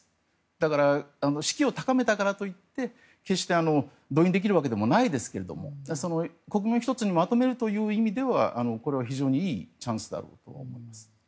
だから士気を高めたからといって決して、動員できるわけでもないですけど国民を１つにまとめるという意味ではこれは非常にいいチャンスだろうと思います。